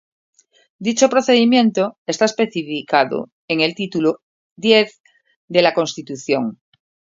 Dicho procedimiento está especificado en el Título X de la Constitución.